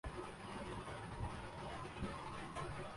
ہارکاغصہبیئونٹ نے تین ریکٹس توڑ دیئے